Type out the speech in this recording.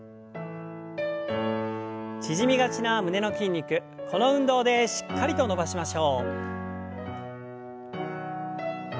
縮みがちな胸の筋肉この運動でしっかりと伸ばしましょう。